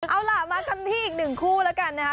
เอาละมาที่อีก๑คู่แล้วกันนะคะ